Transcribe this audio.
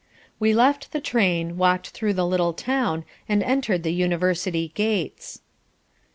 We left the train, walked through the little town and entered the university gates.